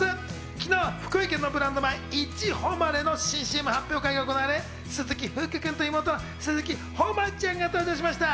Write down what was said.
昨日、福井県のブランド米・いちほまれの新ＣＭ発表会が行われ、鈴木福君と妹の鈴木誉ちゃんが登場しました。